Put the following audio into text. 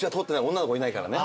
女の子いないからね。